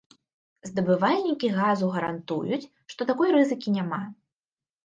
Здабывальнікі газу гарантуюць, што такой рызыкі няма.